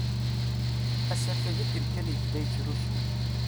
Asafag akken kan yebda yettrusu-d.